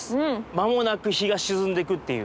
間もなく日が沈んでいくっていう。